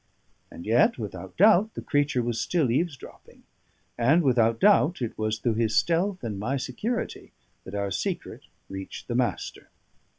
And yet without doubt the creature was still eavesdropping; and without doubt it was through his stealth and my security that our secret reached the Master.